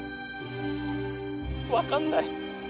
分かんない。